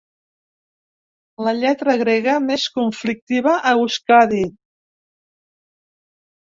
La lletra grega més conflictiva a Euskadi.